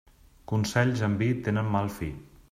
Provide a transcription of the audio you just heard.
Consells amb vi tenen mal fi.